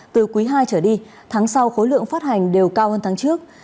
từ quý ii trở đi tháng sau khối lượng phát hành đều cao hơn tháng trước